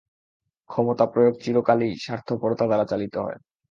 ক্ষমতাপ্রয়োগ চিরকালেই স্বার্থপরতা দ্বারা চালিত হয়।